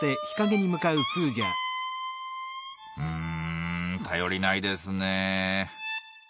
うん頼りないですねえ。